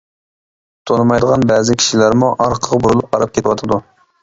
-تونۇمايدىغان بەزى كىشىلەرمۇ ئارقىغا بۇرۇلۇپ قاراپ كېتىۋاتىدۇ.